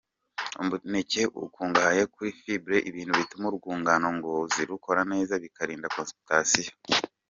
Umuneke ukungahaye kuri fibre, ibintu bituma urwungano ngogozi rukora neza bikarinda constipation.